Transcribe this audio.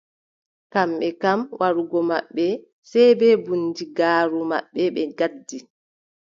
Kamɓe kam warugo maɓɓe sey bee bundigaaru maɓɓe ɓe ngaddi.